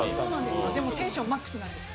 でもテンションマックスなんです